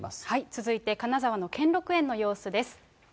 続いて金沢の兼六園の様子です。